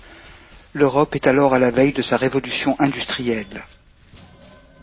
L'Europe est alors à la veille de sa révolution industrielle.